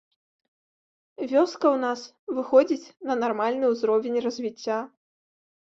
Вёска ў нас выходзіць на нармальны ўзровень развіцця.